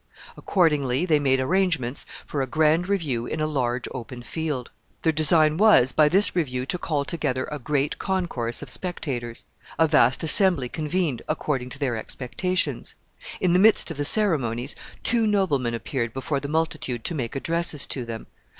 Accordingly, they made arrangements for a grand review in a large open field. Their design was by this review to call together a great concourse of spectators. A vast assembly convened according to their expectations. In the midst of the ceremonies, two noblemen appeared before the multitude to make addresses to them.